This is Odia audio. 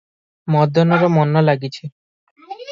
ମଦନର ମନ ଲାଗିଛି ।